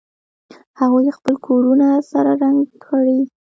هغوی خپل کورونه سره رنګ کړي